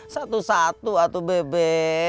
satu satu atu bebe